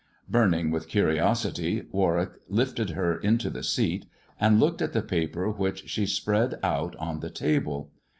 Burning with curiosity, Warwick lifted her into the seat, and looked at the paper which she spread out on the table.